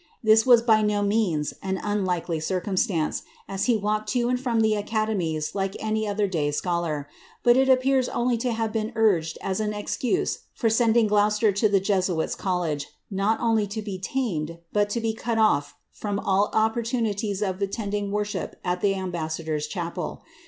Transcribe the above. * This was by no means an unlikely circumstance, as he walked to and from the academies like any other day scholar ; but it appears only to have been urged as an excuse for sending Gloucester to the Jesuits' Col lege, not only to be tamed, but to be cut off from all opportunities of attending worship at the ambassador's chapel.